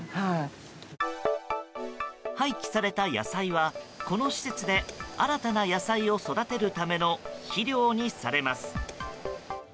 廃棄された野菜は、この施設で新たな野菜を育てるための肥料にされます。